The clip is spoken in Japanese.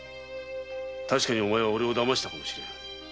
確かにお前はおれを騙したかもしれぬ。